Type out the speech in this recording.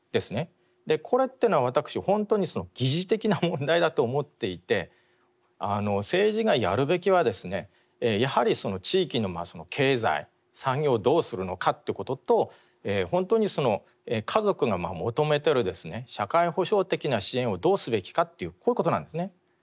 これっていうのは私本当に疑似的な問題だと思っていて政治がやるべきはですねやはりその地域の経済産業をどうするのかということと本当に家族が求めてる社会保障的な支援をどうすべきかっていうこういうことなんですね。